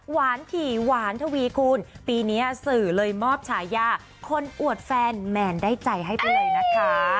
ถี่หวานทวีคูณปีนี้สื่อเลยมอบฉายาคนอวดแฟนแมนได้ใจให้ไปเลยนะคะ